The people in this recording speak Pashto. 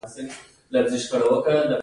هغوی د سپین شمیم سره په باغ کې چکر وواهه.